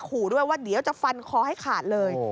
ขู่ด้วยว่าเดี๋ยวจะฟันคอให้ขาดเลย